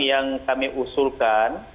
yang kami usulkan